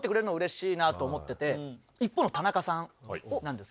一方の田中さんなんですけど。